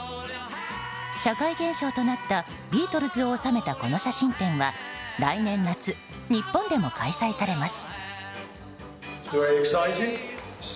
社会現象となったビートルズを収めたこの写真展は来年夏、日本でも開催されます。